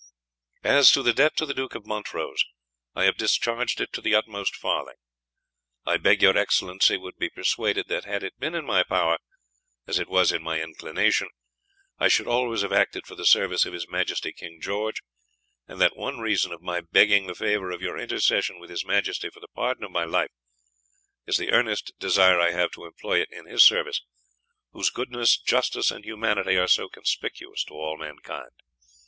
As to the debt to the Duke of Montrose, I have discharged it to the utmost farthing. I beg your Excellency would be persuaded that, had it been in my power, as it was in my inclination, I should always have acted for the service of his Majesty King George, and that one reason of my begging the favour of your intercession with his Majesty for the pardon of my life, is the earnest desire I have to employ it in his service, whose goodness, justice, and humanity, are so conspicuous to all mankind.